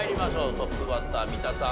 トップバッター三田さん